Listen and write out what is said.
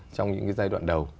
trong những giai đoạn đầu